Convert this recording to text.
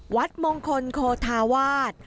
วัดมงคลโคธาวาส